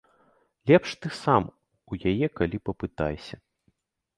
Лепш ты сам у яе калі папытайся.